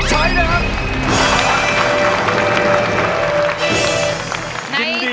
ใช้ด้วยครับ